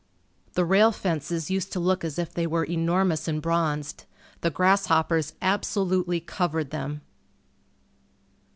The rail fences used to look as if they were enormous and bronzed. The grasshoppers absolutely covered them.